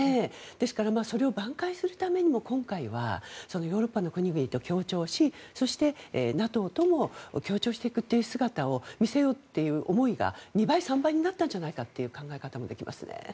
ですからそれをばん回するためにも今回はヨーロッパの国々と協調しそして、ＮＡＴＯとも協調していくという姿を見せようという思いが２倍、３倍になったんじゃないかという考えもできますね。